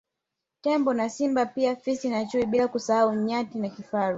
Tembo na Simba pia Fisi na chui bila kusahau Nyati na Kifaru